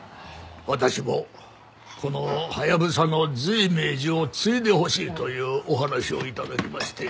私もこのハヤブサの随明寺を継いでほしいというお話を頂きまして。